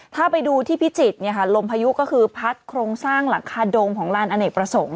ถ้าไปดูที่พิจิตรลมพายุก็คือพัดโครงสร้างหลังคาโดมของลานอเนกประสงค์